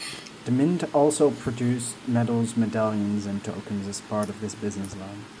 The mint also produces medals, medallions and tokens as part of this business line.